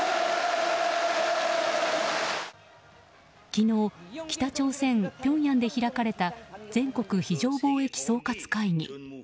昨日、北朝鮮ピョンヤンで開かれた全国非常防疫総括会議。